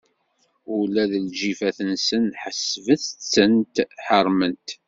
Ula d lǧifat-nsen, ḥesbet-tent ḥeṛṛment.